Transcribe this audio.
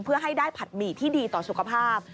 เพื่อให้ได้ผัดหมี่ที่ดีต่อสุขภาพ